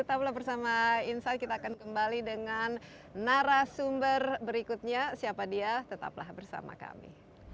tetaplah bersama insight kita akan kembali dengan narasumber berikutnya siapa dia tetaplah bersama kami